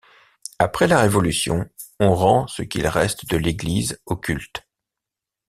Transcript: Après la Révolution, on rend ce qu'il reste de l'église au culte.